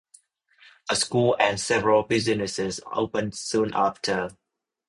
A school and several businesses opened soon after.